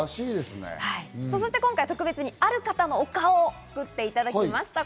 今回特別にある方のお顔を作っていただきました。